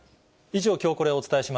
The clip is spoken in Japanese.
以上、きょうコレをお伝えし